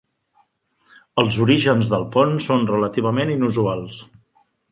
Els orígens del pont són relativament inusuals.